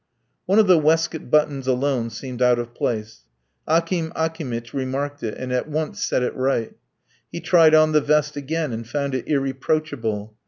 One of the waistcoat buttons alone seemed out of place; Akim Akimitch remarked it, and at once set it right. He tried on the vest again and found it irreproachable.